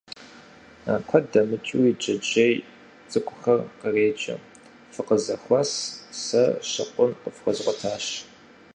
Куэд дэмыкӀыуи джэджьей цӀыкӀухэр къреджэ: фыкъызэхуэс, сэ щыкъун къыфхуэзгъуэтащ!